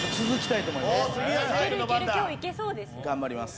頑張ります。